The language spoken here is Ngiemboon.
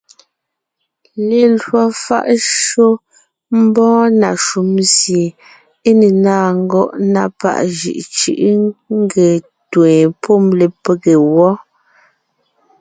Lelwò fáʼ shÿó mbɔɔ na shúm sie é ne ńnáa ngɔ́ʼ na páʼ jʉʼ cʉ́ʼʉ nge ńtween pɔ́ lepége wɔ́.